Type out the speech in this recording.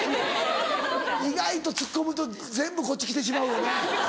意外と突っ込むと全部こっち来てしまうよね。